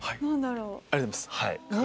ありがとうございます。